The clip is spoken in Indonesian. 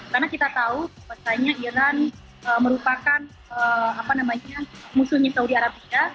karena kita tahu pasalnya iran merupakan musuhnya saudi arabia